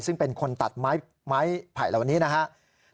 ซึ่งเป็นคนตัดไม้ไผ่เหล่านี้นะครับ